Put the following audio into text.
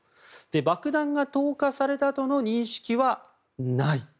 爆弾が投下されたとの認識はない。